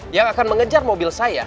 yang akan mengejar mobil saya